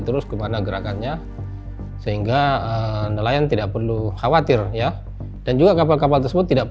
terus kemana gerakannya sehingga nelayan tidak perlu khawatir ya dan juga kapal kapal tersebut tidak